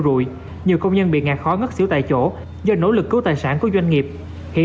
rụi nhiều công nhân bị ngạt khó ngất xỉu tại chỗ do nỗ lực cứu tài sản của doanh nghiệp hiện